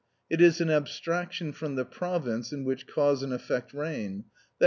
It is an abstraction from the province in which cause and effect reign, _i.